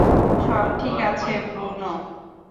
সব ঠিক আছে, ব্রুনো।